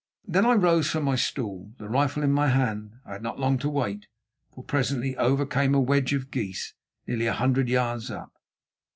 Then I rose from my stool, the rifle in my hand. I had not long to wait, for presently over came a wedge of geese nearly a hundred yards up.